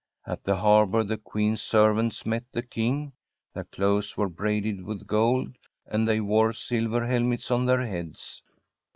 At the harbour the Queen's servants met the King. Their clothes were braided with gold, and they wore silver helmets on their heads.